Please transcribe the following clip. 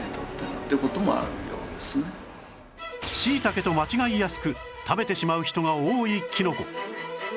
シイタケと間違いやすく食べてしまう人が多いキノコ